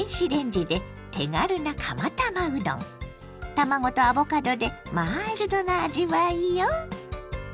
卵とアボカドでマイルドな味わいよ。